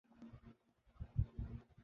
extreme sports ہمارا ایسا کوئی شوق نہیں